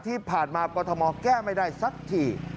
ที่ผ่านมาก็กฎธมอครแก้ไม่ได้สักที